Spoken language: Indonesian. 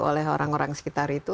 oleh orang orang sekitar itu